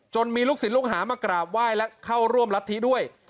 มีลูกศิลปลูกหามากราบไหว้และเข้าร่วมรัฐธิด้วย